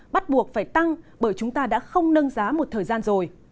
bắt buộc phải tăng bởi chúng ta đã không nâng giá một thời gian rồi